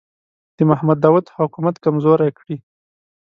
د محمد داوود حکومت کمزوری کړي.